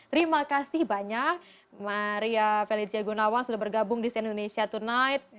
terima kasih banyak maria felicia gunawan sudah bergabung di si indonesia tonight